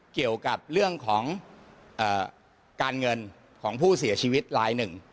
เกี่ยวกับเรื่องของการเงินของผู้เสียชีวิตลายหนึ่ง